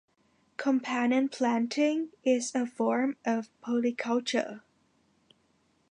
Companion planting is a form of polyculture.